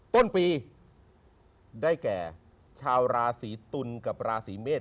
ต้นปีได้แก่ชาวราศีตุลกับราศีเมษ